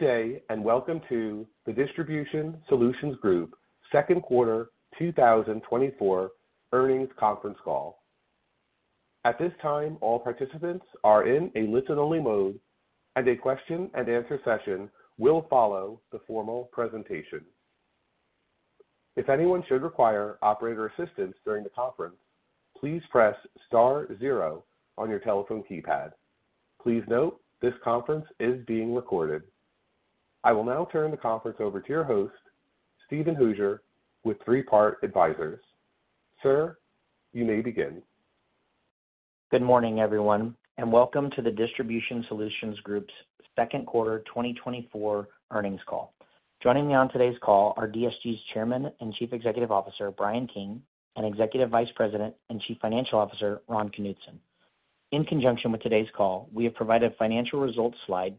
Good day, and welcome to the Distribution Solutions Group Second Quarter 2024 earnings conference call. At this time, all participants are in a listen-only mode, and a question-and-answer session will follow the formal presentation. If anyone should require operator assistance during the conference, please press star zero on your telephone keypad. Please note this conference is being recorded. I will now turn the conference over to your host, Steven Hooser, with Three Part Advisors. Sir, you may begin. Good morning, everyone, and welcome to the Distribution Solutions Group's Second Quarter 2024 earnings call. Joining me on today's call are DSG's Chairman and Chief Executive Officer, Bryan King, and Executive Vice President and Chief Financial Officer, Ron Knutson. In conjunction with today's call, we have provided a financial results slide that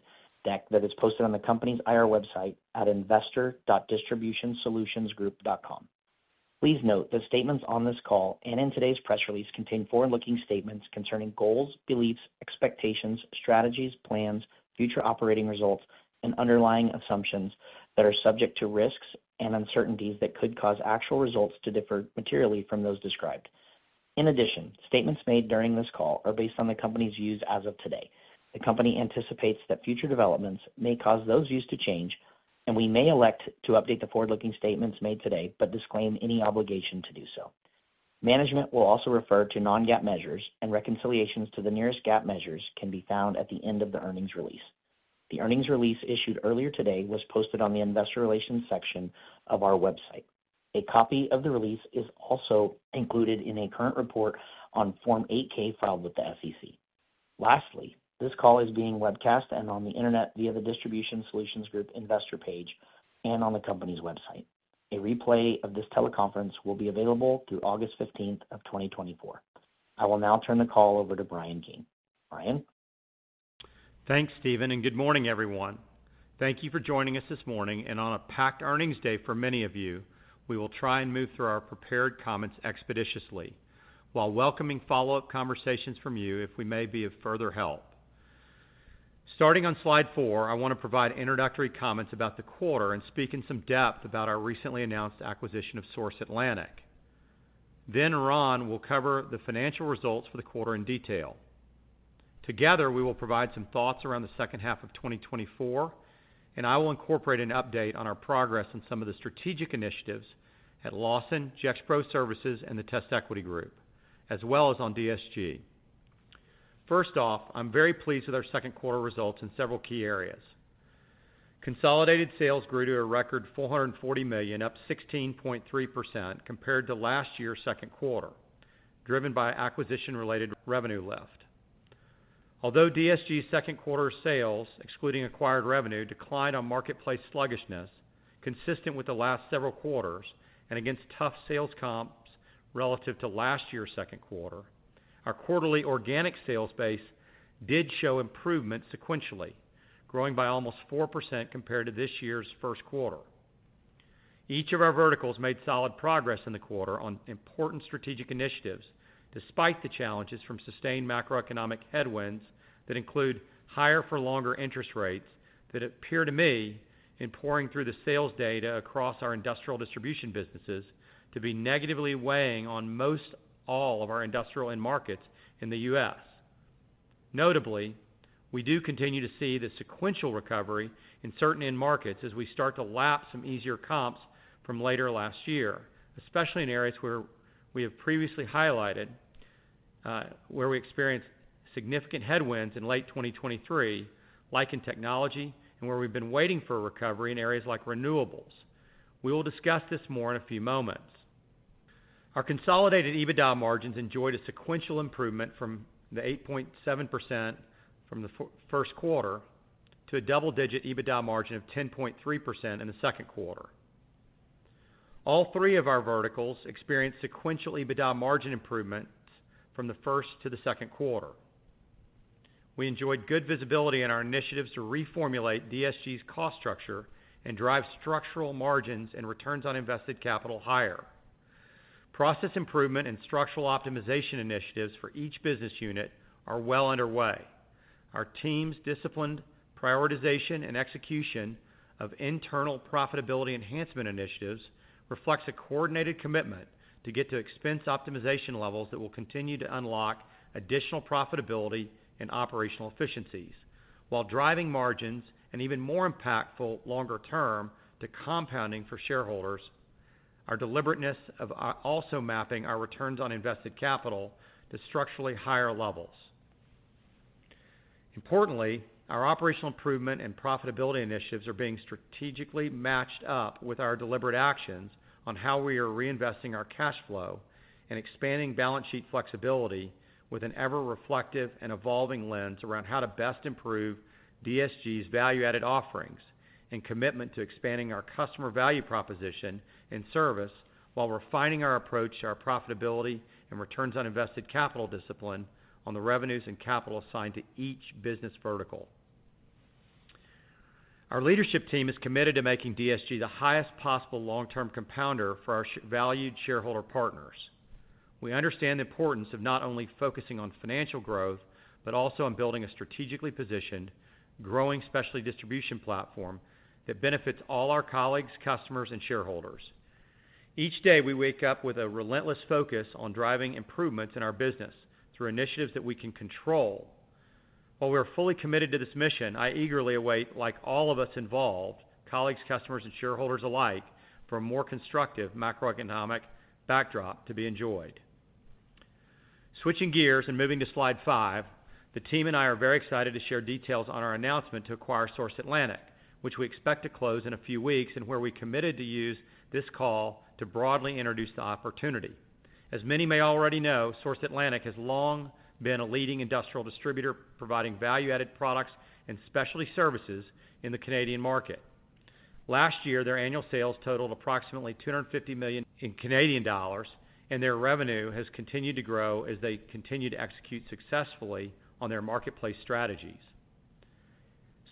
is posted on the company's IR website at investor.distributionsolutionsgroup.com. Please note the statements on this call and in today's press release contain forward-looking statements concerning goals, beliefs, expectations, strategies, plans, future operating results, and underlying assumptions that are subject to risks and uncertainties that could cause actual results to differ materially from those described. In addition, statements made during this call are based on the company's views as of today. The company anticipates that future developments may cause those views to change, and we may elect to update the forward-looking statements made today but disclaim any obligation to do so. Management will also refer to non-GAAP measures, and reconciliations to the nearest GAAP measures can be found at the end of the earnings release. The earnings release issued earlier today was posted on the investor relations section of our website. A copy of the release is also included in a current report on Form 8-K filed with the SEC. Lastly, this call is being webcast and on the internet via the Distribution Solutions Group investor page and on the company's website. A replay of this teleconference will be available through August 15th of 2024. I will now turn the call over to Bryan King. Bryan. Thanks, Steven, and good morning, everyone. Thank you for joining us this morning. On a packed earnings day for many of you, we will try and move through our prepared comments expeditiously while welcoming follow-up conversations from you if we may be of further help. Starting on slide 4, I want to provide introductory comments about the quarter and speak in some depth about our recently announced acquisition of Source Atlantic. Then Ron will cover the financial results for the quarter in detail. Together, we will provide some thoughts around the second half of 2024, and I will incorporate an update on our progress on some of the strategic initiatives at Lawson, Gexpro Services, and the TestEquity Group, as well as on DSG. First off, I'm very pleased with our second quarter results in several key areas. Consolidated sales grew to a record $440 million, up 16.3% compared to last year's second quarter, driven by acquisition-related revenue lift. Although DSG's second quarter sales, excluding acquired revenue, declined on marketplace sluggishness consistent with the last several quarters and against tough sales comps relative to last year's second quarter, our quarterly organic sales base did show improvement sequentially, growing by almost 4% compared to this year's first quarter. Each of our verticals made solid progress in the quarter on important strategic initiatives, despite the challenges from sustained macroeconomic headwinds that include higher-for-longer interest rates that appear to me, in poring through the sales data across our industrial distribution businesses, to be negatively weighing on most all of our industrial end markets in the U.S. Notably, we do continue to see the sequential recovery in certain end markets as we start to lapse some easier comps from later last year, especially in areas where we have previously highlighted where we experienced significant headwinds in late 2023, like in technology, and where we've been waiting for a recovery in areas like renewables. We will discuss this more in a few moments. Our consolidated EBITDA margins enjoyed a sequential improvement from the 8.7% from the first quarter to a double-digit EBITDA margin of 10.3% in the second quarter. All three of our verticals experienced sequential EBITDA margin improvement from the first to the second quarter. We enjoyed good visibility in our initiatives to reformulate DSG's cost structure and drive structural margins and returns on invested capital higher. Process improvement and structural optimization initiatives for each business unit are well underway. Our team's disciplined prioritization and execution of internal profitability enhancement initiatives reflects a coordinated commitment to get to expense optimization levels that will continue to unlock additional profitability and operational efficiencies while driving margins and even more impactful longer term to compounding for shareholders. Our deliberateness of also mapping our returns on invested capital to structurally higher levels. Importantly, our operational improvement and profitability initiatives are being strategically matched up with our deliberate actions on how we are reinvesting our cash flow and expanding balance sheet flexibility with an ever-reflective and evolving lens around how to best improve DSG's value-added offerings and commitment to expanding our customer value proposition and service while refining our approach to our profitability and returns on invested capital discipline on the revenues and capital assigned to each business vertical. Our leadership team is committed to making DSG the highest possible long-term compounder for our valued shareholder partners. We understand the importance of not only focusing on financial growth but also on building a strategically positioned, growing specialty distribution platform that benefits all our colleagues, customers, and shareholders. Each day, we wake up with a relentless focus on driving improvements in our business through initiatives that we can control. While we are fully committed to this mission, I eagerly await, like all of us involved, colleagues, customers, and shareholders alike for a more constructive macroeconomic backdrop to be enjoyed. Switching gears and moving to slide 5, the team and I are very excited to share details on our announcement to acquire Source Atlantic, which we expect to close in a few weeks and where we committed to use this call to broadly introduce the opportunity. As many may already know, Source Atlantic has long been a leading industrial distributor providing value-added products and specialty services in the Canadian market. Last year, their annual sales totaled approximately 250 million, and their revenue has continued to grow as they continue to execute successfully on their marketplace strategies.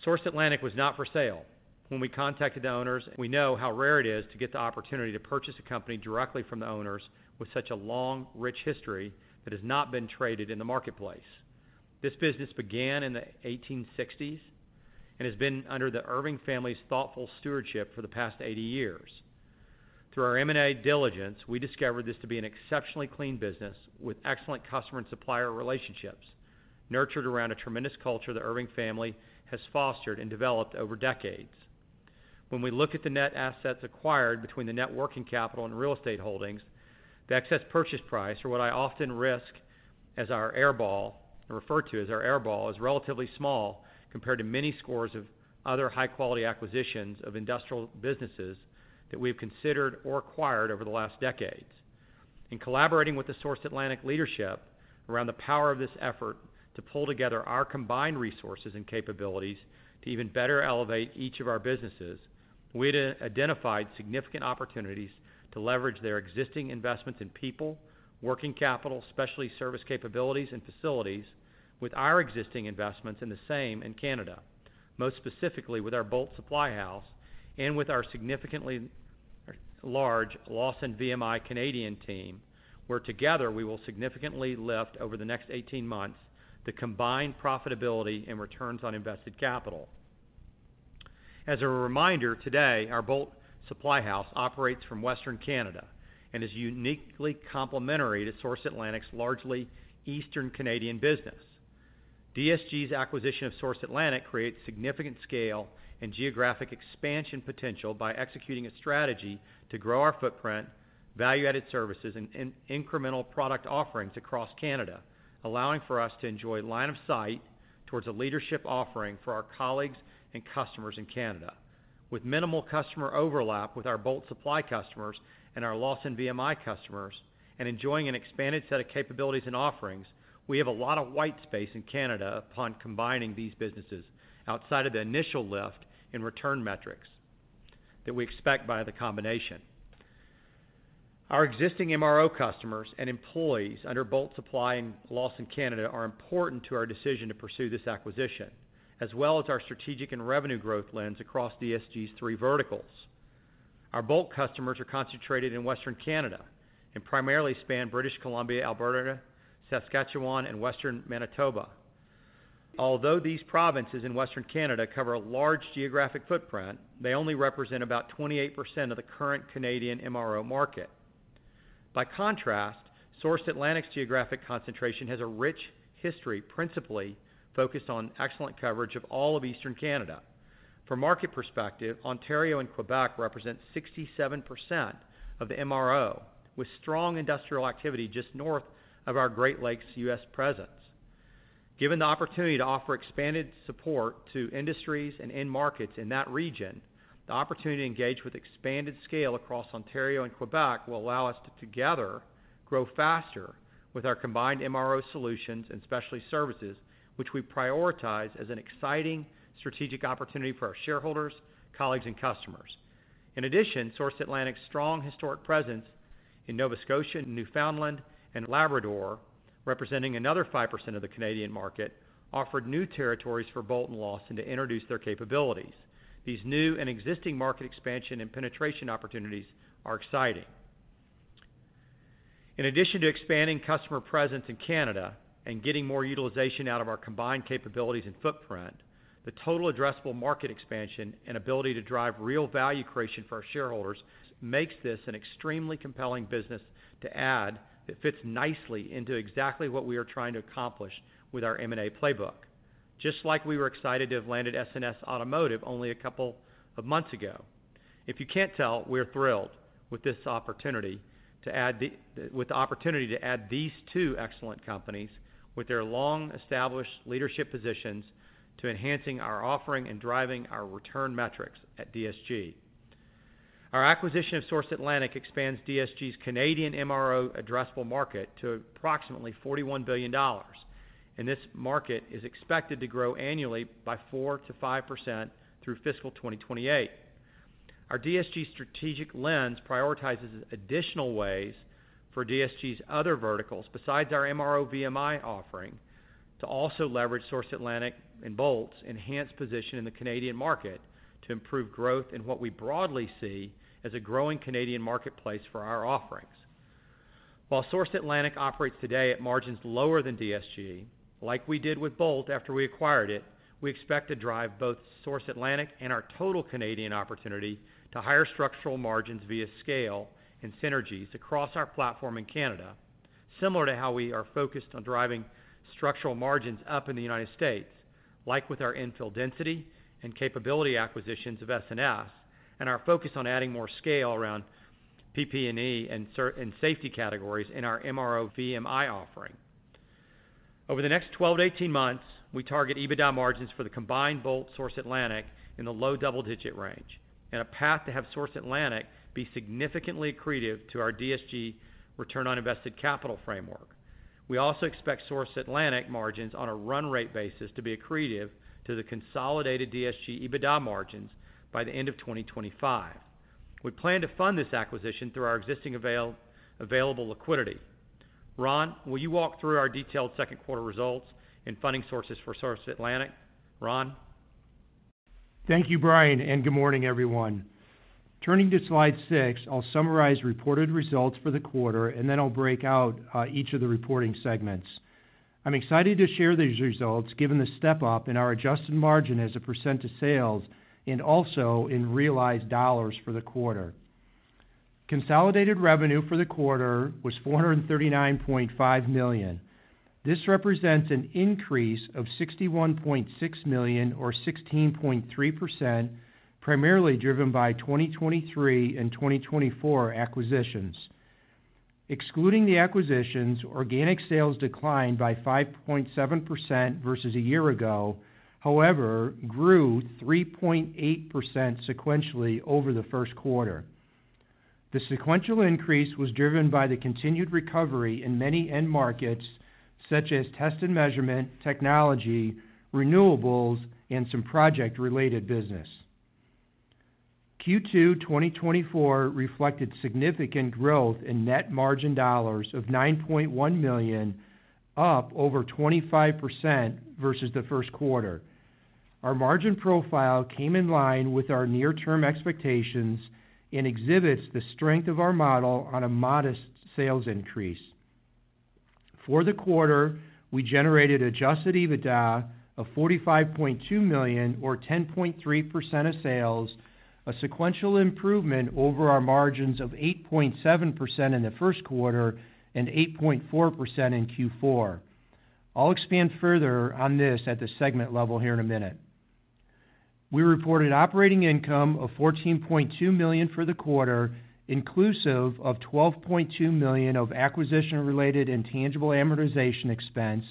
Source Atlantic was not for sale. When we contacted the owners, we know how rare it is to get the opportunity to purchase a company directly from the owners with such a long, rich history that has not been traded in the marketplace. This business began in the 1860s and has been under the Irving family's thoughtful stewardship for the past 80 years. Through our M&A diligence, we discovered this to be an exceptionally clean business with excellent customer and supplier relationships nurtured around a tremendous culture the Irving family has fostered and developed over decades. When we look at the net assets acquired between the net working capital and real estate holdings, the excess purchase price, or what I often call as our airball, referred to as our airball, is relatively small compared to many scores of other high-quality acquisitions of industrial businesses that we've considered or acquired over the last decades. In collaborating with the Source Atlantic leadership around the power of this effort to pull together our combined resources and capabilities to even better elevate each of our businesses, we identified significant opportunities to leverage their existing investments in people, working capital, specialty service capabilities, and facilities with our existing investments in the same in Canada, most specifically with our Bolt Supply House and with our significantly large Lawson VMI Canadian team, where together we will significantly lift over the next 18 months the combined profitability and returns on invested capital. As a reminder, today, our Bolt Supply House operates from Western Canada and is uniquely complementary to Source Atlantic's largely Eastern Canadian business. DSG's acquisition of Source Atlantic creates significant scale and geographic expansion potential by executing a strategy to grow our footprint, value-added services, and incremental product offerings across Canada, allowing for us to enjoy line of sight towards a leadership offering for our colleagues and customers in Canada. With minimal customer overlap with our Bolt Supply House customers and our Lawson VMI customers and enjoying an expanded set of capabilities and offerings, we have a lot of white space in Canada upon combining these businesses outside of the initial lift in return metrics that we expect by the combination. Our existing MRO customers and employees under Bolt Supply in Lawson Canada are important to our decision to pursue this acquisition, as well as our strategic and revenue growth lens across DSG's three verticals. Our Bolt customers are concentrated in Western Canada and primarily span British Columbia, Alberta, Saskatchewan, and Western Manitoba. Although these provinces in Western Canada cover a large geographic footprint, they only represent about 28% of the current Canadian MRO market. By contrast, Source Atlantic's geographic concentration has a rich history, principally focused on excellent coverage of all of Eastern Canada. From a market perspective, Ontario and Quebec represent 67% of the MRO, with strong industrial activity just north of our Great Lakes U.S. presence. Given the opportunity to offer expanded support to industries and end markets in that region, the opportunity to engage with expanded scale across Ontario and Quebec will allow us to together grow faster with our combined MRO solutions and specialty services, which we prioritize as an exciting strategic opportunity for our shareholders, colleagues, and customers. In addition, Source Atlantic's strong historic presence in Nova Scotia, Newfoundland, and Labrador, representing another 5% of the Canadian market, offered new territories for Bolt and Lawson to introduce their capabilities. These new and existing market expansion and penetration opportunities are exciting. In addition to expanding customer presence in Canada and getting more utilization out of our combined capabilities and footprint, the total addressable market expansion and ability to drive real value creation for our shareholders makes this an extremely compelling business to add that fits nicely into exactly what we are trying to accomplish with our M&A playbook, just like we were excited to have landed S&S Automotive only a couple of months ago. If you can't tell, we are thrilled with this opportunity to add these two excellent companies with their long-established leadership positions to enhancing our offering and driving our return metrics at DSG. Our acquisition of Source Atlantic expands DSG's Canadian MRO addressable market to approximately $41 billion, and this market is expected to grow annually by 4%-5% through fiscal 2028. Our DSG strategic lens prioritizes additional ways for DSG's other verticals besides our MRO VMI offering to also leverage Source Atlantic and Bolt's enhanced position in the Canadian market to improve growth in what we broadly see as a growing Canadian marketplace for our offerings. While Source Atlantic operates today at margins lower than DSG, like we did with Bolt after we acquired it, we expect to drive both Source Atlantic and our total Canadian opportunity to higher structural margins via scale and synergies across our platform in Canada, similar to how we are focused on driving structural margins up in the United States, like with our infill density and capability acquisitions of S&S and our focus on adding more scale around PP&E and safety categories in our MRO VMI offering. Over the next 12 to 18 months, we target EBITDA margins for the combined Bolt Source Atlantic in the low double-digit range and a path to have Source Atlantic be significantly accretive to our DSG return on invested capital framework. We also expect Source Atlantic margins on a run rate basis to be accretive to the consolidated DSG EBITDA margins by the end of 2025. We plan to fund this acquisition through our existing available liquidity. Ron, will you walk through our detailed second quarter results and funding sources for Source Atlantic? Ron? Thank you, Bryan, and good morning, everyone. Turning to slide 6, I'll summarize reported results for the quarter, and then I'll break out each of the reporting segments. I'm excited to share these results given the step-up in our adjusted margin as a % of sales and also in realized dollars for the quarter. Consolidated revenue for the quarter was $439.5 million. This represents an increase of $61.6 million or 16.3%, primarily driven by 2023 and 2024 acquisitions. Excluding the acquisitions, organic sales declined by 5.7% versus a year ago, however, grew 3.8% sequentially over the first quarter. The sequential increase was driven by the continued recovery in many end markets such as test and measurement technology, renewables, and some project-related business. Q2 2024 reflected significant growth in net margin dollars of $9.1 million, up over 25% versus the first quarter. Our margin profile came in line with our near-term expectations and exhibits the strength of our model on a modest sales increase. For the quarter, we generated Adjusted EBITDA of $45.2 million or 10.3% of sales, a sequential improvement over our margins of 8.7% in the first quarter and 8.4% in Q4. I'll expand further on this at the segment level here in a minute. We reported operating income of $14.2 million for the quarter, inclusive of $12.2 million of acquisition-related and tangible amortization expense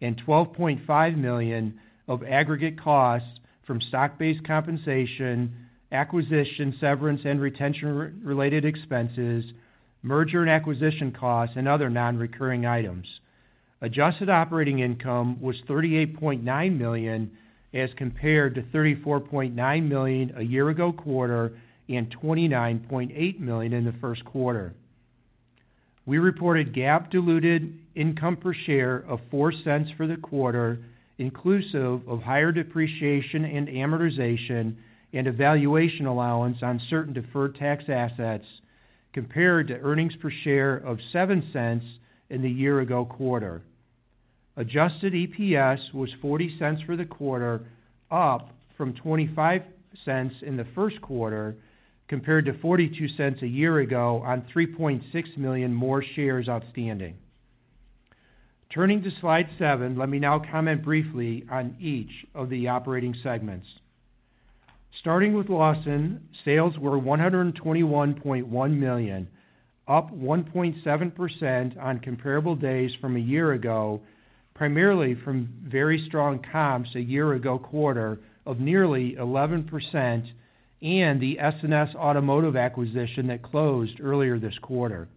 and $12.5 million of aggregate costs from stock-based compensation, acquisition, severance, and retention-related expenses, merger and acquisition costs, and other non-recurring items. Adjusted operating income was $38.9 million as compared to $34.9 million a year-ago quarter and $29.8 million in the first quarter. We reported GAAP-diluted income per share of $0.04 for the quarter, inclusive of higher depreciation and amortization and valuation allowance on certain deferred tax assets, compared to earnings per share of $0.07 in the year-ago quarter. Adjusted EPS was $0.40 for the quarter, up from $0.25 in the first quarter compared to $0.42 a year ago on 3.6 million more shares outstanding. Turning to slide seven, let me now comment briefly on each of the operating segments. Starting with Lawson, sales were $121.1 million, up 1.7% on comparable days from a year ago, primarily from very strong comps a year ago quarter of nearly 11% and the S&S Automotive acquisition that closed earlier this quarter.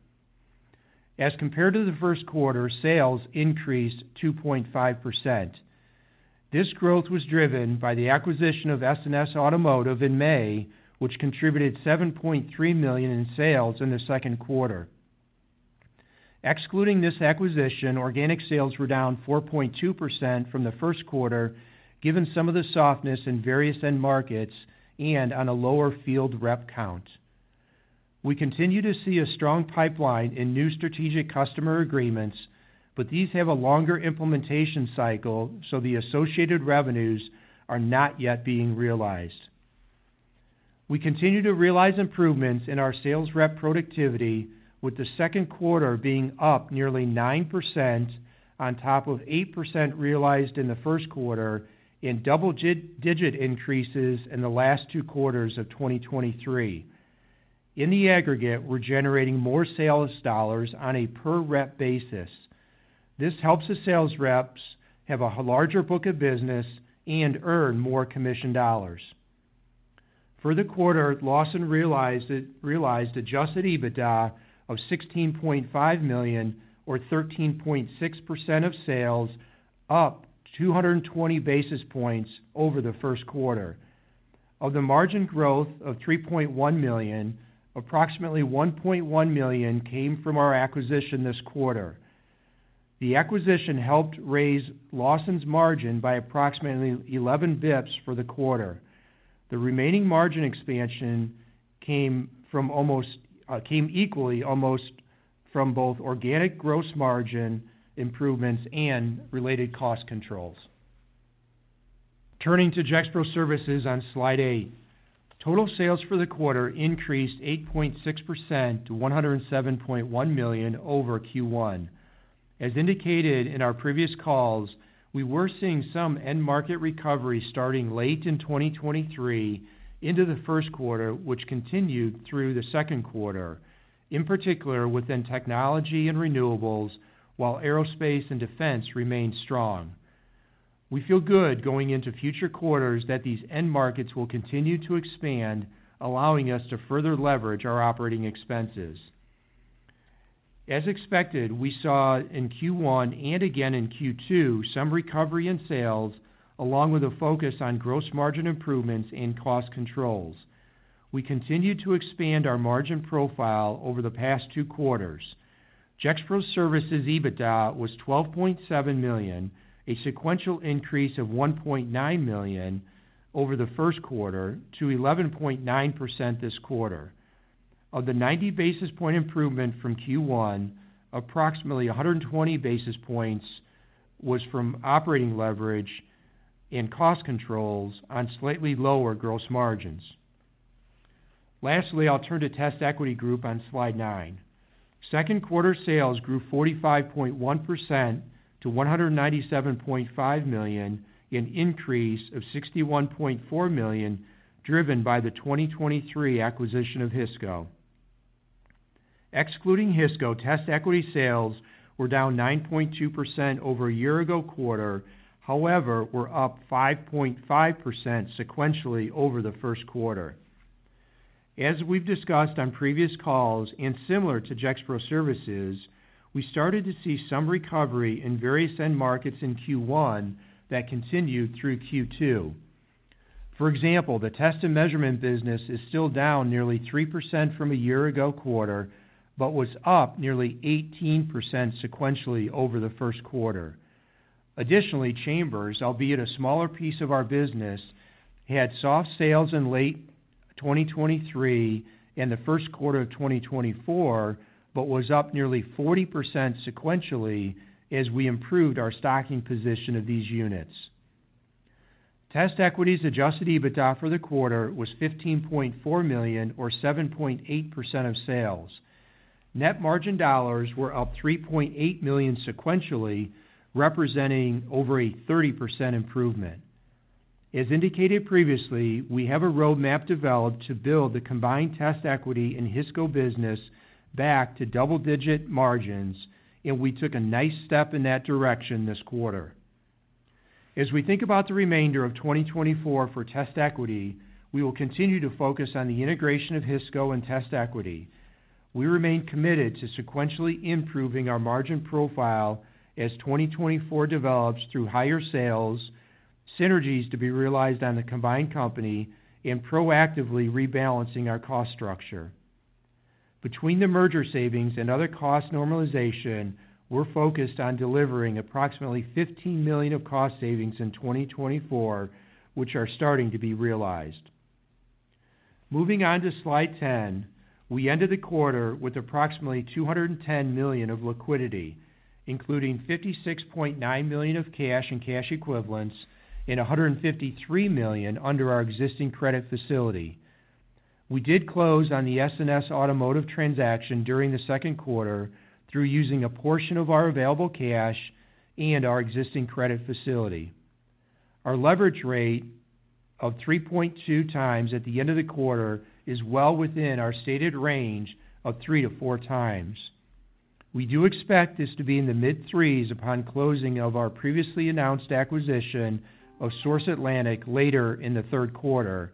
As compared to the first quarter, sales increased 2.5%. This growth was driven by the acquisition of S&S Automotive in May, which contributed $7.3 million in sales in the second quarter. Excluding this acquisition, organic sales were down 4.2% from the first quarter, given some of the softness in various end markets and on a lower field rep count. We continue to see a strong pipeline and new strategic customer agreements, but these have a longer implementation cycle, so the associated revenues are not yet being realized. We continue to realize improvements in our sales rep productivity, with the second quarter being up nearly 9% on top of 8% realized in the first quarter and double-digit increases in the last two quarters of 2023. In the aggregate, we're generating more sales dollars on a per-rep basis. This helps the sales reps have a larger book of business and earn more commission dollars. For the quarter, Lawson realized Adjusted EBITDA of $16.5 million or 13.6% of sales, up 220 basis points over the first quarter. Of the margin growth of $3.1 million, approximately $1.1 million came from our acquisition this quarter. The acquisition helped raise Lawson's margin by approximately 11 basis points for the quarter. The remaining margin expansion came equally almost from both organic gross margin improvements and related cost controls. Turning to JX Pro Services on slide 8, total sales for the quarter increased 8.6% to $107.1 million over Q1. As indicated in our previous calls, we were seeing some end market recovery starting late in 2023 into the first quarter, which continued through the second quarter, in particular within technology and renewables, while aerospace and defense remained strong. We feel good going into future quarters that these end markets will continue to expand, allowing us to further leverage our operating expenses. As expected, we saw in Q1 and again in Q2 some recovery in sales, along with a focus on gross margin improvements and cost controls. We continued to expand our margin profile over the past two quarters. JX Pro Services' EBITDA was $12.7 million, a sequential increase of $1.9 million over the first quarter to 11.9% this quarter. Of the 90 basis point improvement from Q1, approximately 120 basis points was from operating leverage and cost controls on slightly lower gross margins. Lastly, I'll turn to TestEquity Group on slide 9. Second quarter sales grew 45.1% to $197.5 million in increase of $61.4 million, driven by the 2023 acquisition of Hisco. Excluding Hisco, TestEquity sales were down 9.2% over a year-ago quarter; however, we're up 5.5% sequentially over the first quarter. As we've discussed on previous calls and similar to JX Pro Services, we started to see some recovery in various end markets in Q1 that continued through Q2. For example, the test and measurement business is still down nearly 3% from a year-ago quarter, but was up nearly 18% sequentially over the first quarter. Additionally, Chambers, albeit a smaller piece of our business, had soft sales in late 2023 and the first quarter of 2024, but was up nearly 40% sequentially as we improved our stocking position of these units. TestEquity's Adjusted EBITDA for the quarter was $15.4 million or 7.8% of sales. Net margin dollars were up $3.8 million sequentially, representing over a 30% improvement. As indicated previously, we have a roadmap developed to build the combined TestEquity and Hisco business back to double-digit margins, and we took a nice step in that direction this quarter. As we think about the remainder of 2024 for TestEquity, we will continue to focus on the integration of Hisco and TestEquity. We remain committed to sequentially improving our margin profile as 2024 develops through higher sales, synergies to be realized on the combined company, and proactively rebalancing our cost structure. Between the merger savings and other cost normalization, we're focused on delivering approximately $15 million of cost savings in 2024, which are starting to be realized. Moving on to slide 10, we ended the quarter with approximately $210 million of liquidity, including $56.9 million of cash and cash equivalents and $153 million under our existing credit facility. We did close on the S&S Automotive transaction during the second quarter through using a portion of our available cash and our existing credit facility. Our leverage rate of 3.2 times at the end of the quarter is well within our stated range of 3-4 times. We do expect this to be in the mid-threes upon closing of our previously announced acquisition of Source Atlantic later in the third quarter,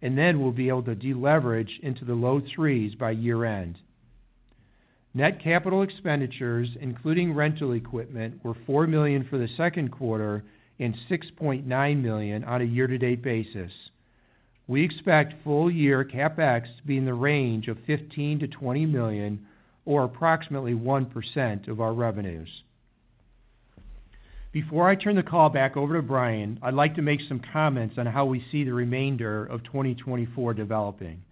and then we'll be able to deleverage into the low threes by year-end. Net capital expenditures, including rental equipment, were $4 million for the second quarter and $6.9 million on a year-to-date basis. We expect full-year CapEx to be in the range of $15-$20 million or approximately 1% of our revenues. Before I turn the call back over to Bryan, I'd like to make some comments on how we see the remainder of 2024 developing.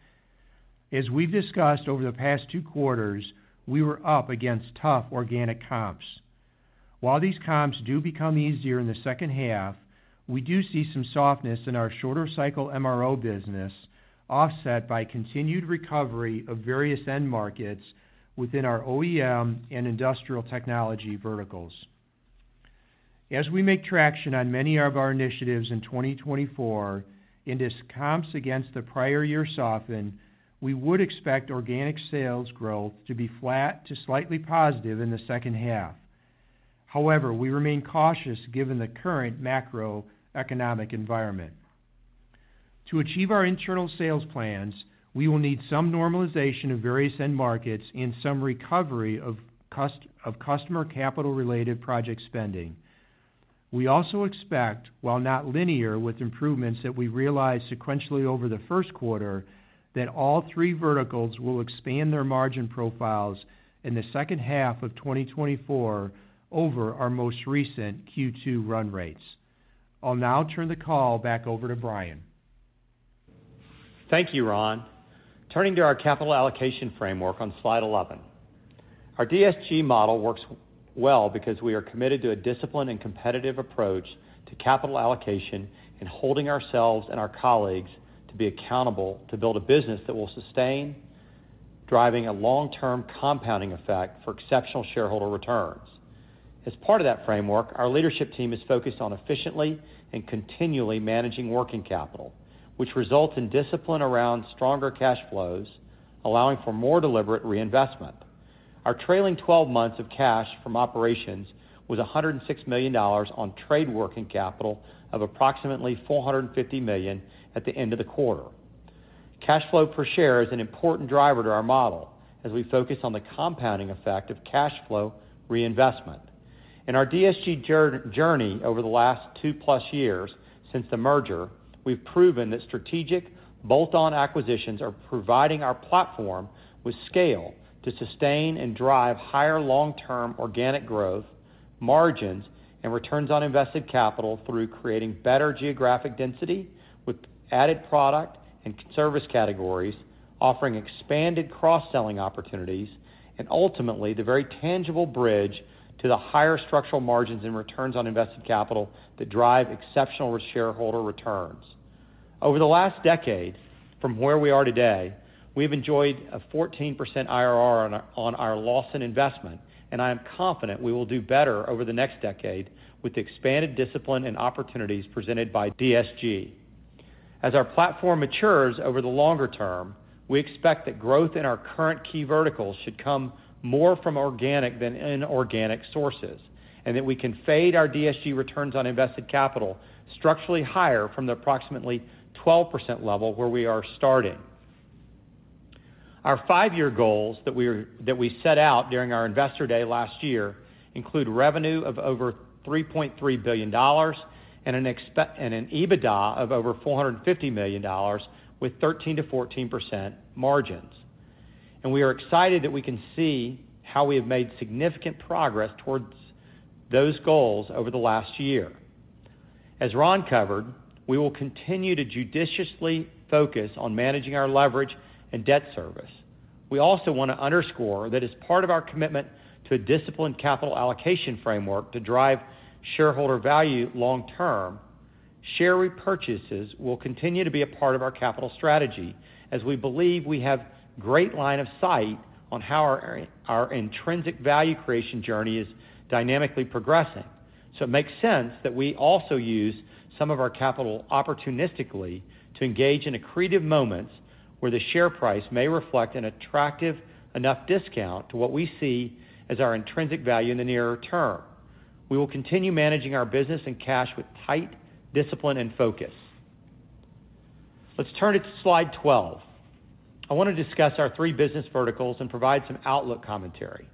As we've discussed over the past two quarters, we were up against tough organic comps. While these comps do become easier in the second half, we do see some softness in our shorter-cycle MRO business, offset by continued recovery of various end markets within our OEM and industrial technology verticals. As we make traction on many of our initiatives in 2024, and as comps against the prior year soften, we would expect organic sales growth to be flat to slightly positive in the second half. However, we remain cautious given the current macroeconomic environment. To achieve our internal sales plans, we will need some normalization of various end markets and some recovery of customer capital-related project spending. We also expect, while not linear with improvements that we realize sequentially over the first quarter, that all three verticals will expand their margin profiles in the second half of 2024 over our most recent Q2 run rates. I'll now turn the call back over to Bryan. Thank you, Ron. Turning to our capital allocation framework on slide 11, our DSG model works well because we are committed to a disciplined and competitive approach to capital allocation and holding ourselves and our colleagues to be accountable to build a business that will sustain, driving a long-term compounding effect for exceptional shareholder returns. As part of that framework, our leadership team is focused on efficiently and continually managing working capital, which results in discipline around stronger cash flows, allowing for more deliberate reinvestment. Our trailing 12 months of cash from operations was $106 million on trade working capital of approximately $450 million at the end of the quarter. Cash flow per share is an important driver to our model as we focus on the compounding effect of cash flow reinvestment. In our DSG journey over the last two-plus years since the merger, we've proven that strategic bolt-on acquisitions are providing our platform with scale to sustain and drive higher long-term organic growth, margins, and returns on invested capital through creating better geographic density with added product and service categories, offering expanded cross-selling opportunities, and ultimately the very tangible bridge to the higher structural margins and returns on invested capital that drive exceptional shareholder returns. Over the last decade, from where we are today, we've enjoyed a 14% IRR on our total investment, and I am confident we will do better over the next decade with the expanded discipline and opportunities presented by DSG. As our platform matures over the longer term, we expect that growth in our current key verticals should come more from organic than inorganic sources and that we can fade our DSG returns on invested capital structurally higher from the approximately 12% level where we are starting. Our five-year goals that we set out during our investor day last year include revenue of over $3.3 billion and an EBITDA of over $450 million with 13%-14% margins. We are excited that we can see how we have made significant progress towards those goals over the last year. As Ron covered, we will continue to judiciously focus on managing our leverage and debt service. We also want to underscore that as part of our commitment to a disciplined capital allocation framework to drive shareholder value long-term, share repurchases will continue to be a part of our capital strategy as we believe we have great line of sight on how our intrinsic value creation journey is dynamically progressing. So it makes sense that we also use some of our capital opportunistically to engage in accretive moments where the share price may reflect an attractive enough discount to what we see as our intrinsic value in the nearer term. We will continue managing our business and cash with tight discipline and focus. Let's turn to slide 12. I want to discuss our three business verticals and provide some outlook commentary.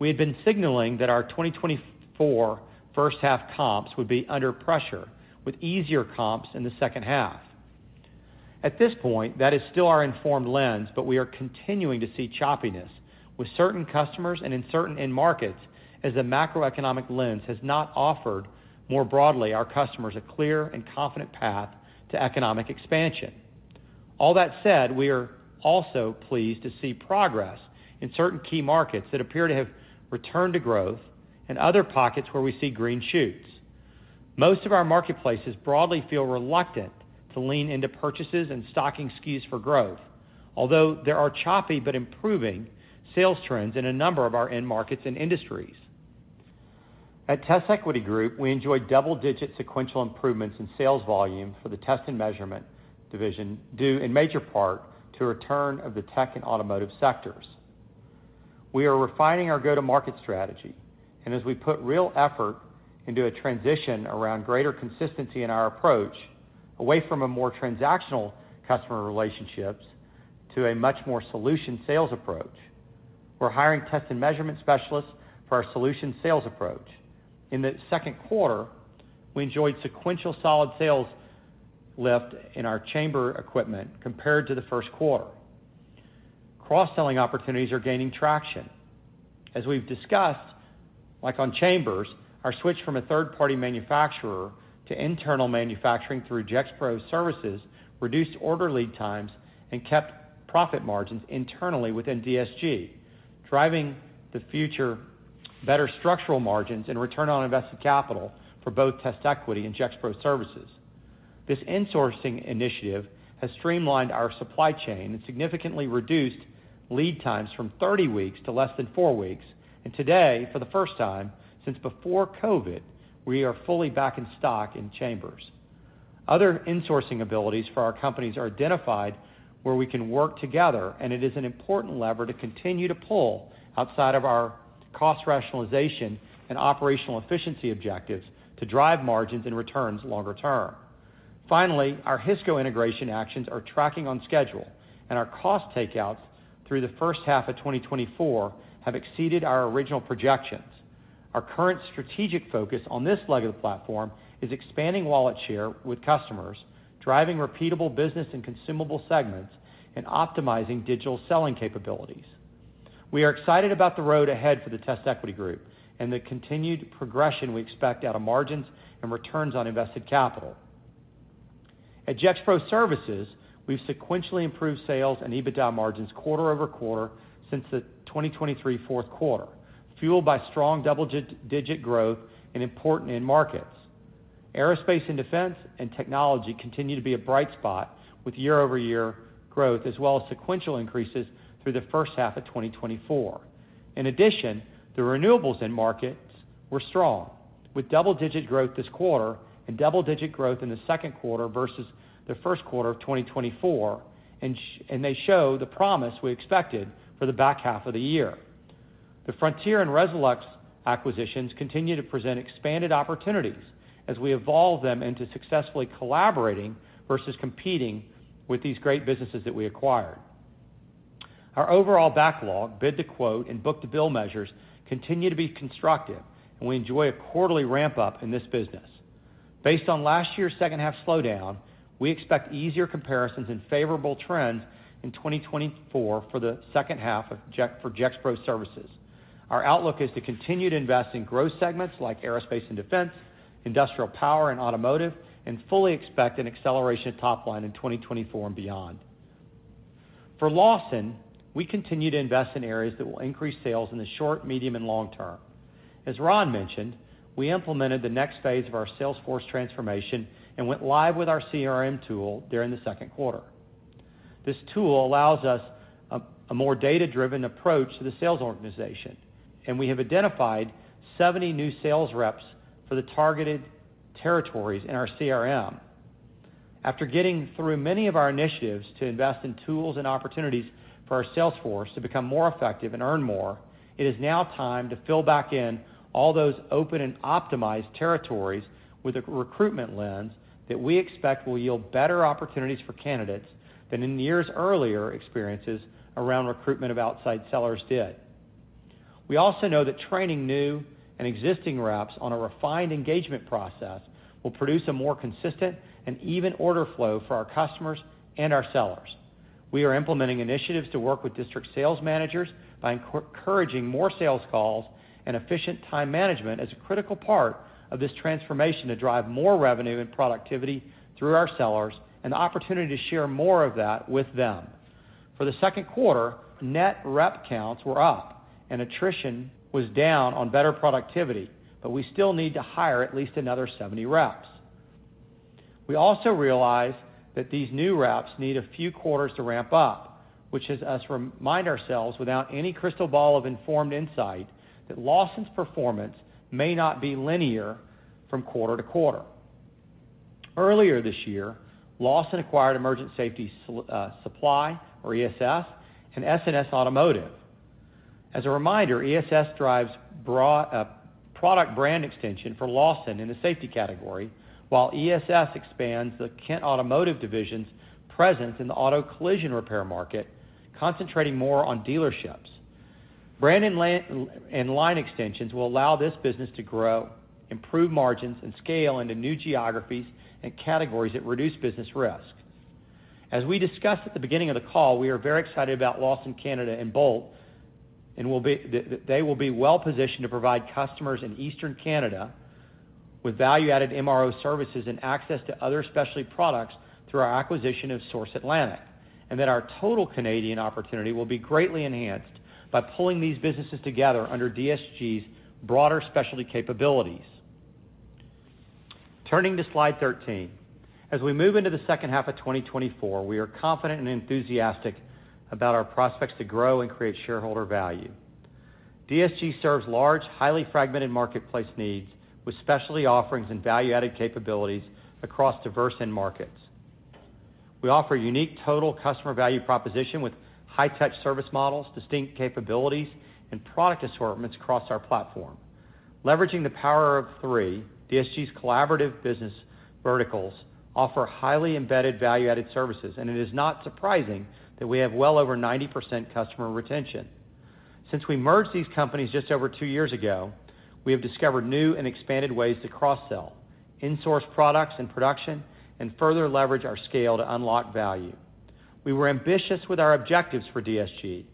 We had been signaling that our 2024 first-half comps would be under pressure with easier comps in the second half. At this point, that is still our informed lens, but we are continuing to see choppiness with certain customers and in certain end markets as the macroeconomic lens has not offered more broadly our customers a clear and confident path to economic expansion. All that said, we are also pleased to see progress in certain key markets that appear to have returned to growth and other pockets where we see green shoots. Most of our marketplaces broadly feel reluctant to lean into purchases and stocking SKUs for growth, although there are choppy but improving sales trends in a number of our end markets and industries. At TestEquity Group, we enjoy double-digit sequential improvements in sales volume for the test and measurement division due in major part to return of the tech and automotive sectors. We are refining our go-to-market strategy, and as we put real effort into a transition around greater consistency in our approach away from a more transactional customer relationships to a much more solution sales approach, we're hiring test and measurement specialists for our solution sales approach. In the second quarter, we enjoyed sequential solid sales lift in our chamber equipment compared to the first quarter. Cross-selling opportunities are gaining traction. As we've discussed, like on chambers, our switch from a third-party manufacturer to internal manufacturing through JX Pro Services reduced order lead times and kept profit margins internally within DSG, driving the future better structural margins and return on invested capital for both TestEquity and JX Pro Services. This insourcing initiative has streamlined our supply chain and significantly reduced lead times from 30 weeks to less than 4 weeks, and today, for the first time since before COVID, we are fully back in stock in chambers. Other insourcing abilities for our companies are identified where we can work together, and it is an important lever to continue to pull outside of our cost rationalization and operational efficiency objectives to drive margins and returns longer term. Finally, our Hisco integration actions are tracking on schedule, and our cost takeouts through the first half of 2024 have exceeded our original projections. Our current strategic focus on this leg of the platform is expanding wallet share with customers, driving repeatable business and consumable segments, and optimizing digital selling capabilities. We are excited about the road ahead for the TestEquity Group and the continued progression we expect out of margins and returns on invested capital. At JX Pro Services, we've sequentially improved sales and EBITDA margins quarter-over-quarter since the 2023 fourth quarter, fueled by strong double-digit growth in important end markets. Aerospace and defense and technology continue to be a bright spot with year-over-year growth as well as sequential increases through the first half of 2024. In addition, the renewables end markets were strong with double-digit growth this quarter and double-digit growth in the second quarter versus the first quarter of 2024, and they show the promise we expected for the back half of the year. The Frontier and Resolux acquisitions continue to present expanded opportunities as we evolve them into successfully collaborating versus competing with these great businesses that we acquired. Our overall backlog, bid-to-quote, and book-to-bill measures continue to be constructive, and we enjoy a quarterly ramp-up in this business. Based on last year's second-half slowdown, we expect easier comparisons and favorable trends in 2024 for the second half for Gexpro Services. Our outlook is to continue to invest in growth segments like aerospace and defense, industrial power and automotive, and fully expect an acceleration of top line in 2024 and beyond. For Lawson, we continue to invest in areas that will increase sales in the short, medium, and long term. As Ron mentioned, we implemented the next phase of our Salesforce transformation and went live with our CRM tool during the second quarter. This tool allows us a more data-driven approach to the sales organization, and we have identified 70 new sales reps for the targeted territories in our CRM. After getting through many of our initiatives to invest in tools and opportunities for our Salesforce to become more effective and earn more, it is now time to fill back in all those open and optimized territories with a recruitment lens that we expect will yield better opportunities for candidates than in years' earlier experiences around recruitment of outside sellers did. We also know that training new and existing reps on a refined engagement process will produce a more consistent and even order flow for our customers and our sellers. We are implementing initiatives to work with district sales managers by encouraging more sales calls and efficient time management as a critical part of this transformation to drive more revenue and productivity through our sellers and the opportunity to share more of that with them. For the second quarter, net rep counts were up, and attrition was down on better productivity, but we still need to hire at least another 70 reps. We also realize that these new reps need a few quarters to ramp up, which has us remind ourselves without any crystal ball of informed insight that Lawson's performance may not be linear from quarter to quarter. Earlier this year, Lawson acquired Emergent Safety Supply, or ESS, and S&S Automotive. As a reminder, ESS drives product brand extension for Lawson in the safety category, while S&S expands the Kent Automotive division's presence in the auto collision repair market, concentrating more on dealerships. Brand and line extensions will allow this business to grow, improve margins, and scale into new geographies and categories that reduce business risk. As we discussed at the beginning of the call, we are very excited about Lawson, Canada, and Bolt, and they will be well-positioned to provide customers in Eastern Canada with value-added MRO services and access to other specialty products through our acquisition of Source Atlantic, and that our total Canadian opportunity will be greatly enhanced by pulling these businesses together under DSG's broader specialty capabilities. Turning to slide 13, as we move into the second half of 2024, we are confident and enthusiastic about our prospects to grow and create shareholder value. DSG serves large, highly fragmented marketplace needs with specialty offerings and value-added capabilities across diverse end markets. We offer a unique total customer value proposition with high-touch service models, distinct capabilities, and product assortments across our platform. Leveraging the power of three, DSG's collaborative business verticals offer highly embedded value-added services, and it is not surprising that we have well over 90% customer retention. Since we merged these companies just over two years ago, we have discovered new and expanded ways to cross-sell, insource products and production, and further leverage our scale to unlock value. We were ambitious with our objectives for DSG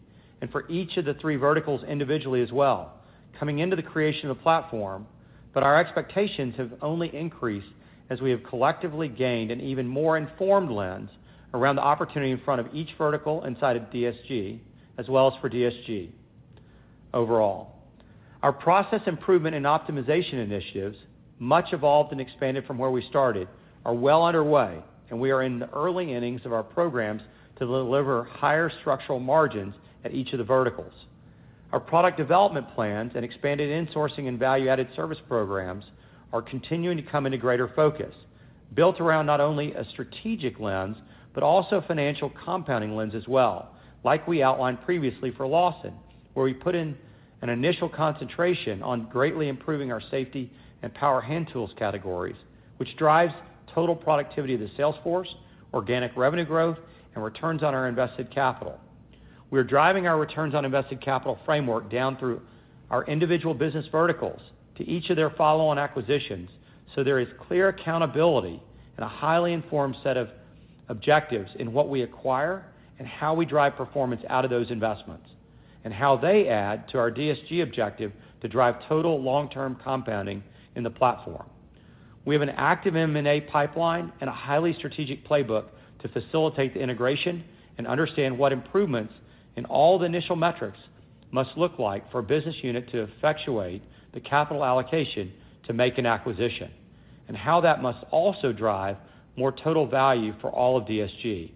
and for each of the three verticals individually as well, coming into the creation of the platform, but our expectations have only increased as we have collectively gained an even more informed lens around the opportunity in front of each vertical inside of DSG as well as for DSG overall. Our process improvement and optimization initiatives, much evolved and expanded from where we started, are well underway, and we are in the early innings of our programs to deliver higher structural margins at each of the verticals. Our product development plans and expanded insourcing and value-added service programs are continuing to come into greater focus, built around not only a strategic lens but also a financial compounding lens as well, like we outlined previously for Lawson, where we put in an initial concentration on greatly improving our safety and power hand tools categories, which drives total productivity of the Salesforce, organic revenue growth, and returns on our invested capital. We are driving our returns on invested capital framework down through our individual business verticals to each of their follow-on acquisitions so there is clear accountability and a highly informed set of objectives in what we acquire and how we drive performance out of those investments and how they add to our DSG objective to drive total long-term compounding in the platform. We have an active M&A pipeline and a highly strategic playbook to facilitate the integration and understand what improvements in all the initial metrics must look like for a business unit to effectuate the capital allocation to make an acquisition and how that must also drive more total value for all of DSG.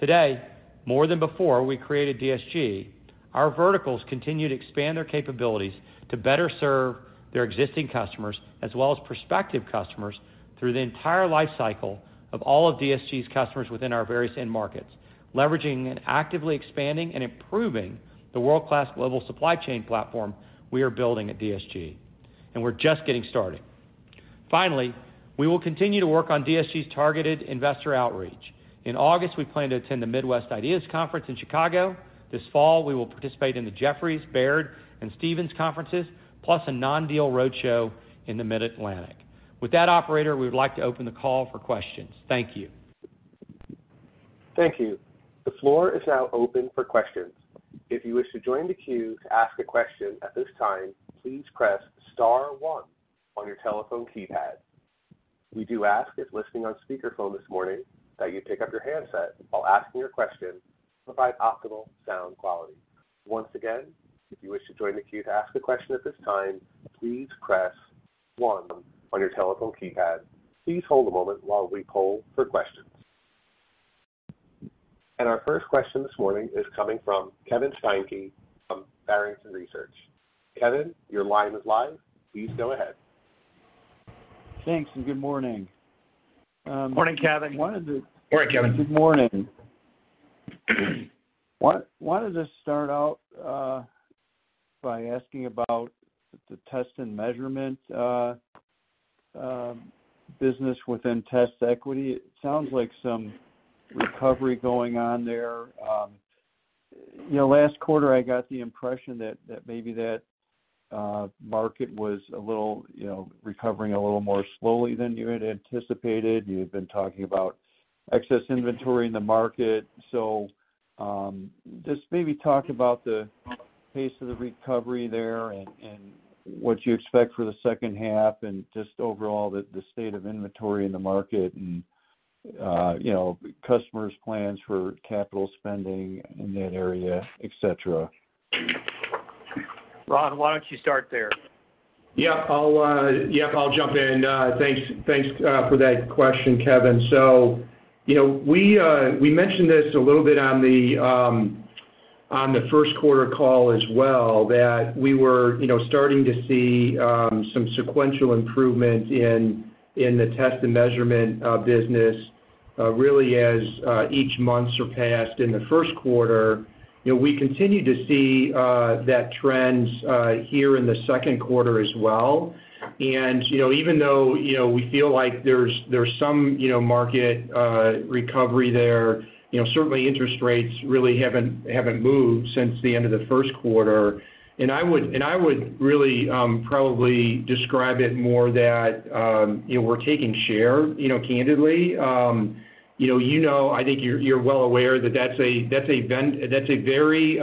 Today, more than before we created DSG, our verticals continue to expand their capabilities to better serve their existing customers as well as prospective customers through the entire lifecycle of all of DSG's customers within our various end markets, leveraging and actively expanding and improving the world-class global supply chain platform we are building at DSG, and we're just getting started. Finally, we will continue to work on DSG's targeted investor outreach. In August, we plan to attend the Midwest IDEAS Conference in Chicago. This fall, we will participate in the Jefferies, Baird, and Stevens Conferences, plus a non-deal roadshow in the Mid-Atlantic. With that, operator, we would like to open the call for questions. Thank you. Thank you. The floor is now open for questions. If you wish to join the queue to ask a question at this time, please press star one on your telephone keypad. We do ask if listening on speakerphone this morning that you pick up your handset while asking your question to provide optimal sound quality. Once again, if you wish to join the queue to ask a question at this time, please press one on your telephone keypad. Please hold a moment while we poll for questions. Our first question this morning is coming from Kevin Steinke from Barrington Research. Kevin, your line is live. Please go ahead. Thanks and good morning. Morning, Kevin. Morning, Kevin. Good morning. Why don't you just start out by asking about the test and measurement business within TestEquity? It sounds like some recovery going on there. Last quarter, I got the impression that maybe that market was recovering a little more slowly than you had anticipated. You had been talking about excess inventory in the market. So just maybe talk about the pace of the recovery there and what you expect for the second half and just overall the state of inventory in the market and customers' plans for capital spending in that area, etc. Ron, why don't you start there? Yep, I'll jump in. Thanks for that question, Kevin. So we mentioned this a little bit on the first quarter call as well, that we were starting to see some sequential improvement in the test and measurement business really as each month surpassed in the first quarter. We continue to see that trend here in the second quarter as well. And even though we feel like there's some market recovery there, certainly interest rates really haven't moved since the end of the first quarter. And I would really probably describe it more that we're taking share, candidly. You know, I think you're well aware that that's a very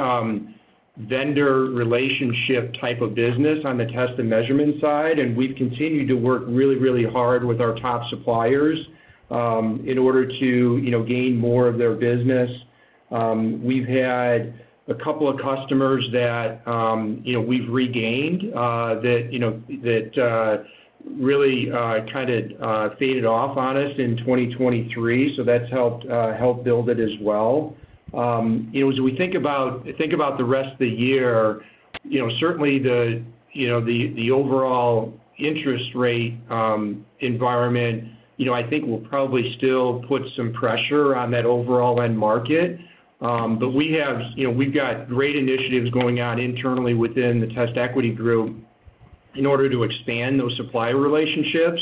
vendor relationship type of business on the test and measurement side, and we've continued to work really, really hard with our top suppliers in order to gain more of their business. We've had a couple of customers that we've regained that really kind of faded off on us in 2023, so that's helped build it as well. As we think about the rest of the year, certainly the overall interest rate environment, I think, will probably still put some pressure on that overall end market. But we've got great initiatives going on internally within the TestEquity Group in order to expand those supplier relationships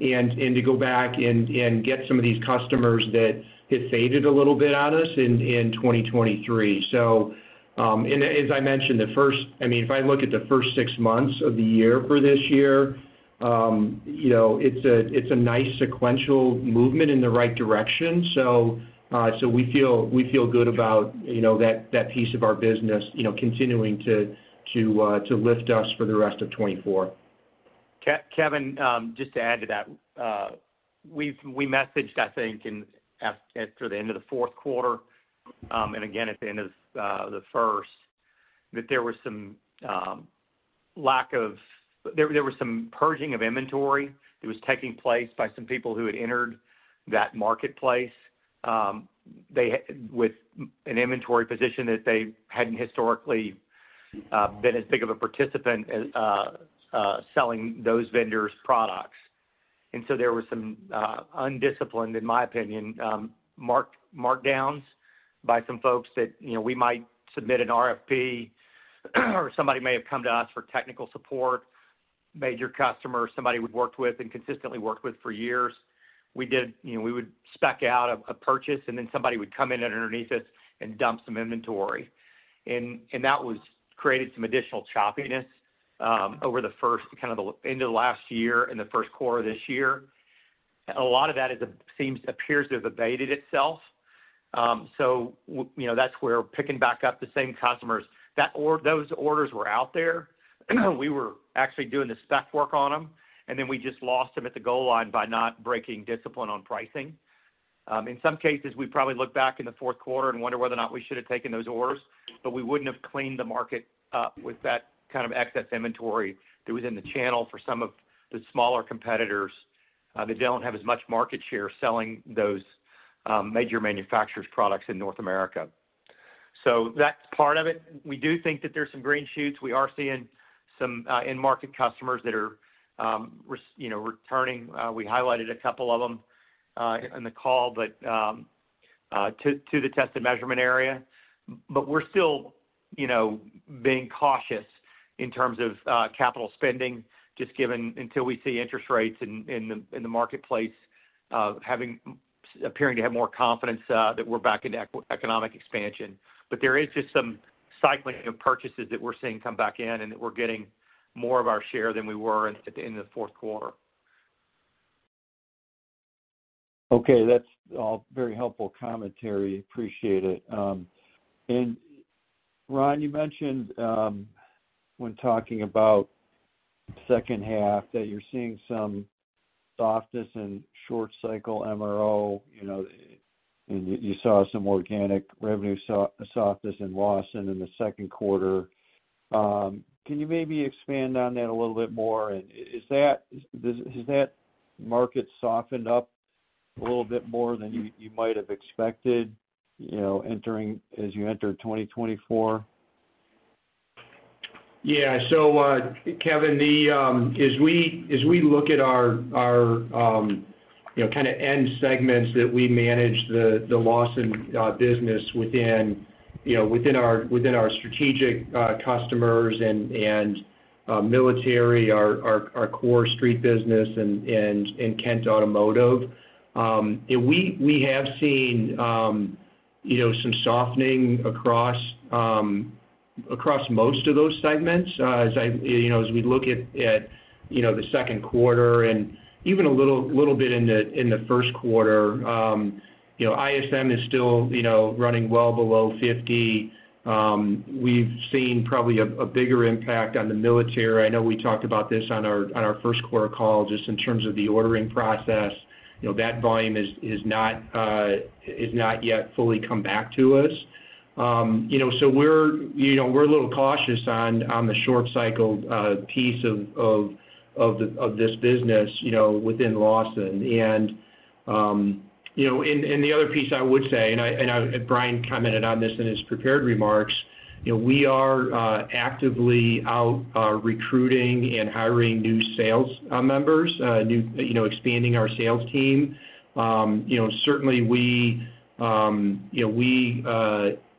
and to go back and get some of these customers that have faded a little bit on us in 2023. So as I mentioned, the first, I mean, if I look at the first six months of the year for this year, it's a nice sequential movement in the right direction. So we feel good about that piece of our business continuing to lift us for the rest of 2024. Kevin, just to add to that, we messaged, I think, after the end of the fourth quarter and again at the end of the first, that there was some purging of inventory that was taking place by some people who had entered that marketplace with an inventory position that they hadn't historically been as big of a participant as selling those vendors' products. There were some undisciplined, in my opinion, markdowns by some folks that we might submit an RFP or somebody may have come to us for technical support, major customers somebody we've worked with and consistently worked with for years. We would spec out a purchase, and then somebody would come in underneath us and dump some inventory. And that created some additional choppiness over the first kind of the end of the last year and the first quarter of this year. A lot of that appears to have abated itself. So that's where picking back up the same customers. Those orders were out there. We were actually doing the spec work on them, and then we just lost them at the goal line by not breaking discipline on pricing. In some cases, we probably look back in the fourth quarter and wonder whether or not we should have taken those orders, but we wouldn't have cleaned the market up with that kind of excess inventory that was in the channel for some of the smaller competitors that don't have as much market share selling those major manufacturers' products in North America. So that's part of it. We do think that there's some green shoots. We are seeing some in-market customers that are returning. We highlighted a couple of them in the call to the test and measurement area. But we're still being cautious in terms of capital spending, just given until we see interest rates in the marketplace appearing to have more confidence that we're back into economic expansion. But there is just some cycling of purchases that we're seeing come back in and that we're getting more of our share than we were at the end of the fourth quarter. Okay. That's all very helpful commentary. Appreciate it. And Ron, you mentioned when talking about the second half that you're seeing some softness in short-cycle MRO, and you saw some organic revenue softness in Lawson in the second quarter. Can you maybe expand on that a little bit more? And has that market softened up a little bit more than you might have expected as you entered 2024? Yeah. So Kevin, as we look at our kind of end segments that we manage, the Lawson business within our strategic customers and military, our core street business, and Kent Automotive, we have seen some softening across most of those segments as we look at the second quarter and even a little bit in the first quarter. ISM is still running well below 50. We've seen probably a bigger impact on the military. I know we talked about this on our first quarter call just in terms of the ordering process. That volume has not yet fully come back to us. So we're a little cautious on the short-cycle piece of this business within Lawson. The other piece I would say, and Bryan commented on this in his prepared remarks, we are actively out recruiting and hiring new sales members, expanding our sales team. Certainly, we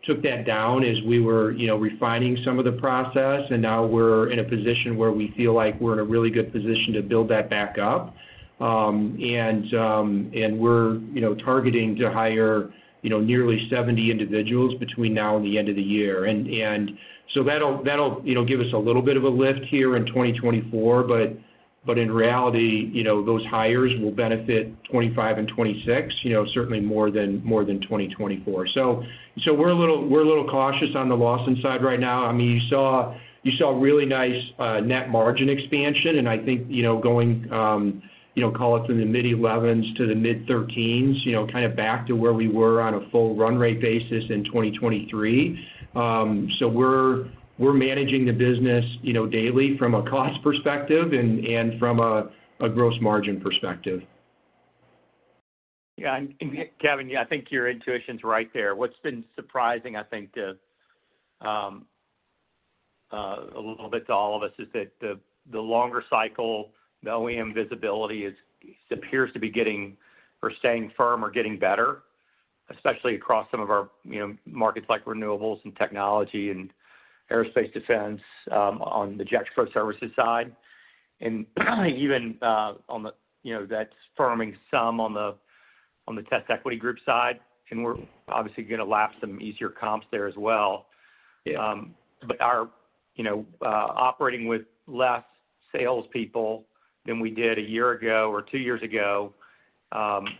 took that down as we were refining some of the process, and now we're in a position where we feel like we're in a really good position to build that back up. We're targeting to hire nearly 70 individuals between now and the end of the year. So that'll give us a little bit of a lift here in 2024, but in reality, those hires will benefit 2025 and 2026 certainly more than 2024. We're a little cautious on the Lawson side right now. I mean, you saw really nice net margin expansion, and I think going call it from the mid-11s to the mid-13s, kind of back to where we were on a full run rate basis in 2023. So we're managing the business daily from a cost perspective and from a gross margin perspective. Yeah. And Kevin, I think your intuition's right there. What's been surprising, I think, a little bit to all of us is that the longer cycle, the OEM visibility appears to be getting or staying firm or getting better, especially across some of our markets like renewables and technology and aerospace defense on the JX Pro Services side. And even on that's firming some on the TestEquity Group side. And we're obviously going to lapse some easier comps there as well. But operating with less salespeople than we did a year ago or two years ago,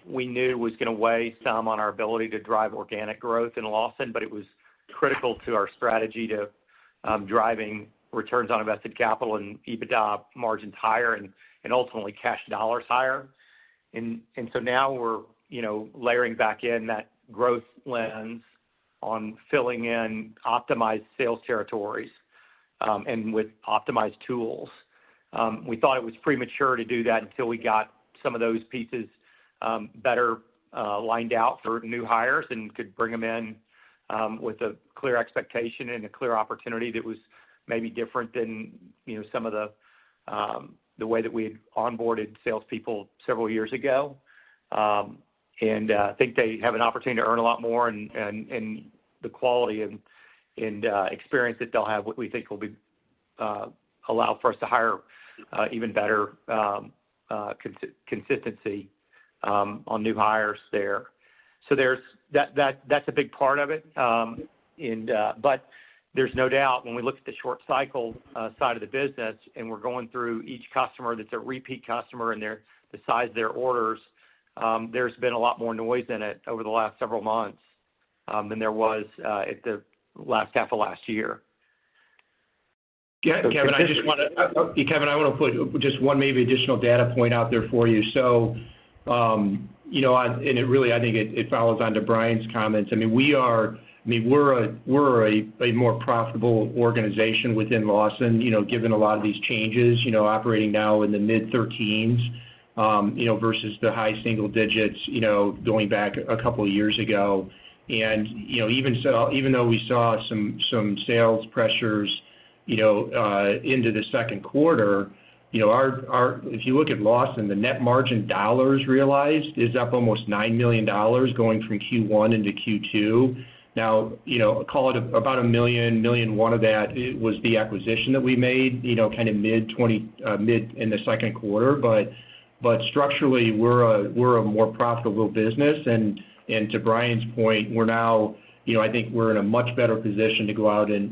we knew it was going to weigh some on our ability to drive organic growth in Lawson, but it was critical to our strategy to drive returns on invested capital and EBITDA margins higher and ultimately cash dollars higher. And so now we're layering back in that growth lens on filling in optimized sales territories and with optimized tools. We thought it was premature to do that until we got some of those pieces better lined out for new hires and could bring them in with a clear expectation and a clear opportunity that was maybe different than some of the way that we had onboarded salespeople several years ago. And I think they have an opportunity to earn a lot more and the quality and experience that they'll have we think will allow for us to hire even better consistency on new hires there. So that's a big part of it. But there's no doubt when we look at the short-cycle side of the business and we're going through each customer that's a repeat customer and the size of their orders, there's been a lot more noise in it over the last several months than there was at the last half of last year. Kevin, I want to put just one maybe additional data point out there for you. Really, I think it follows on to Bryan's comments. I mean, we are a more profitable organization within Lawson given a lot of these changes operating now in the mid-13s versus the high single digits going back a couple of years ago. Even though we saw some sales pressures into the second quarter, if you look at Lawson, the net margin dollars realized is up almost $9 million going from Q1 into Q2. Now, call it about a million, million one of that was the acquisition that we made kind of mid in the second quarter. But structurally, we're a more profitable business. To Bryan's point, we're now, I think we're in a much better position to go out and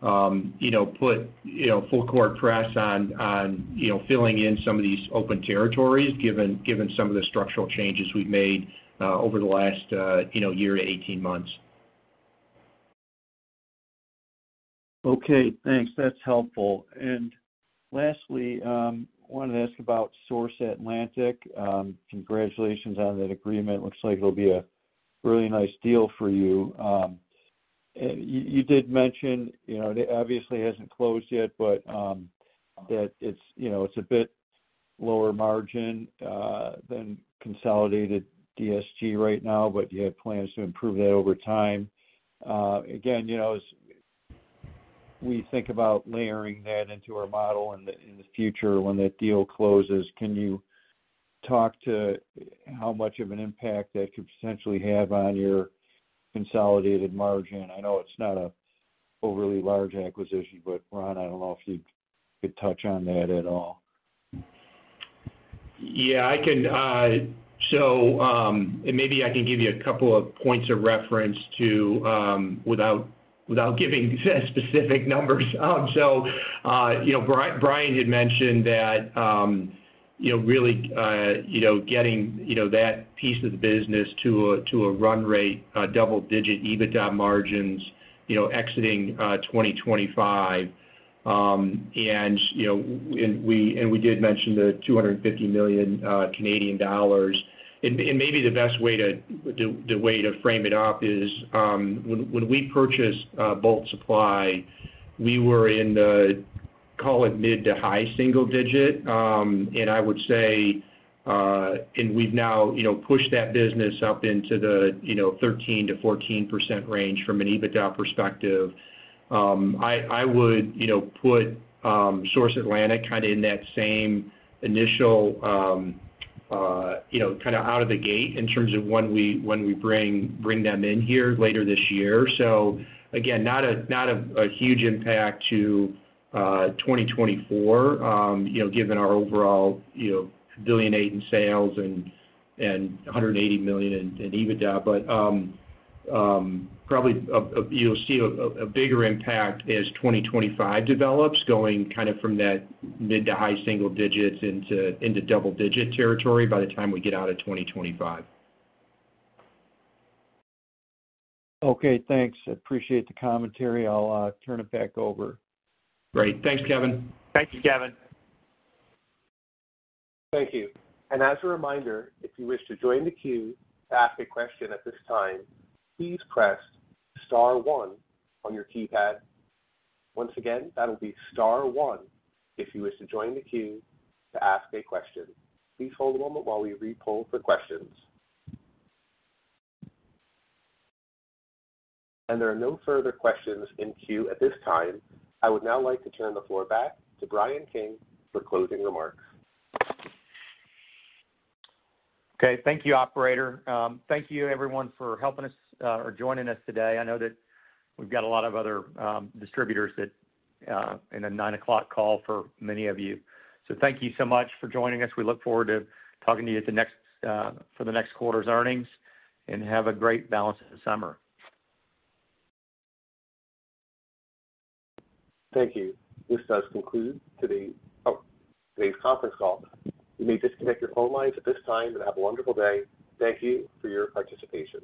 put full-court press on filling in some of these open territories given some of the structural changes we've made over the last year to 18 months. Okay. Thanks. That's helpful. And lastly, I wanted to ask about Source Atlantic. Congratulations on that agreement. Looks like it'll be a really nice deal for you. You did mention it obviously hasn't closed yet, but that it's a bit lower margin than consolidated DSG right now, but you have plans to improve that over time. Again, as we think about layering that into our model in the future when that deal closes, can you talk to how much of an impact that could potentially have on your consolidated margin? I know it's not an overly large acquisition, but Ron, I don't know if you could touch on that at all. Yeah. So maybe I can give you a couple of points of reference without giving specific numbers. So Bryan had mentioned that really getting that piece of the business to a run rate, double-digit EBITDA margins exiting 2025. We did mention the 250 million Canadian dollars. Maybe the best way to frame it up is when we purchased Bolt Supply, we were in the, call it mid- to high single-digit. I would say we've now pushed that business up into the 13%-14% range from an EBITDA perspective. I would put Source Atlantic kind of in that same initial kind of out of the gate in terms of when we bring them in here later this year. So again, not a huge impact to 2024 given our overall $1.8 billion in sales and $180 million in EBITDA. But probably you'll see a bigger impact as 2025 develops going kind of from that mid- to high-single digits into double-digit territory by the time we get out of 2025. Okay. Thanks. Appreciate the commentary. I'll turn it back over. Great. Thanks, Kevin. Thank you, Kevin. Thank you. And as a reminder, if you wish to join the queue to ask a question at this time, please press star one on your keypad. Once again, that'll be star one if you wish to join the queue to ask a question. Please hold a moment while we re-poll for questions. And there are no further questions in queue at this time. I would now like to turn the floor back to Bryan King for closing remarks. Okay. Thank you, operator. Thank you, everyone, for helping us or joining us today. I know that we've got a lot of other distributors in a 9:00 A.M. call for many of you. So thank you so much for joining us. We look forward to talking to you for the next quarter's earnings and have a great balance of the summer. Thank you. This does conclude today's conference call. You may disconnect your phone lines at this time and have a wonderful day. Thank you for your participation.